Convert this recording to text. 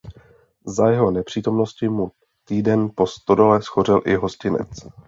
Za jeho nepřítomnosti mu týden po stodole shořel i hostinec.